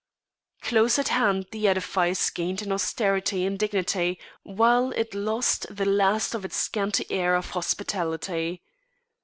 Close at hand the edifice gained in austerity and dignity while it lost the last of its scanty air of hospitality.